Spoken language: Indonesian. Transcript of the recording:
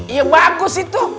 iya bagus itu